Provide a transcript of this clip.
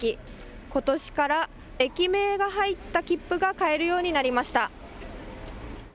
ことしから駅名が入った切符が買えるようになりました。